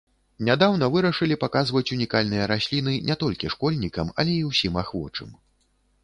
Нядаўна вырашылі паказваць унікальныя расліны не толькі школьнікам, але і ўсім ахвочым.